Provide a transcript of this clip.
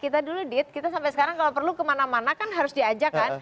kita dulu dit kita sampai sekarang kalau perlu kemana mana kan harus diajarkan